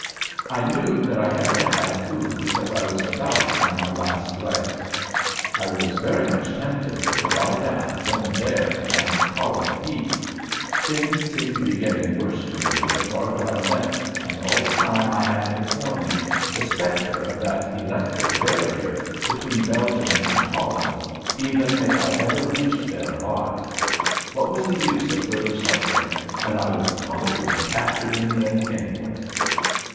I knew that I had to have food because I was about on my last legs. I was very much tempted to lie down then and there and call it a heat. Things seemed to be getting worse for me the farther I went, and all the time I had before me the specter of that electric barrier between Belgium and Holland, even if I ever reached there alive. What was the use of further suffering when I would probably be captured in the end, anyway?